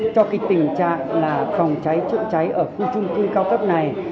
cho cái tình trạng là phòng cháy trợ cháy ở khu trung tư cao cấp này